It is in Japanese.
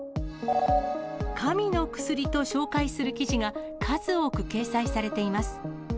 神の薬と紹介する記事が、数多く掲載されています。